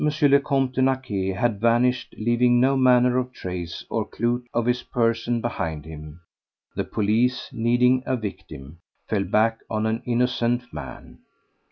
le Comte de Naquet had vanished, leaving no manner of trace or clue of his person behind him, the police, needing a victim, fell back on an innocent man.